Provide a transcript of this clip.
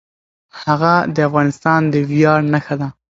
هغه د افغانستان د ویاړ نښه ده.